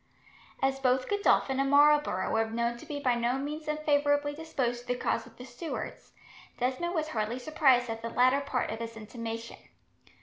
As both Godolphin and Marlborough were known to be by no means unfavourably disposed to the cause of the Stuarts, Desmond was hardly surprised at the latter part of this intimation.